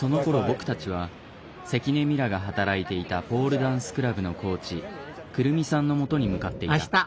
僕たちは関根ミラが働いていたポールダンスクラブのコーチくるみさんのもとに向かっていた。